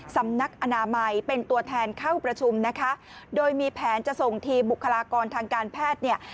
สำนักอนามัยเป็นตัวแทนเข้าประชุมนะคะโดยมีแผนจะส่งทีมบุคลากรทางการแพทย์เนี่ย